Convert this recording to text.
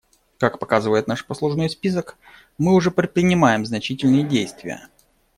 Как показывает наш послужной список, мы уже предпринимаем значительные действия.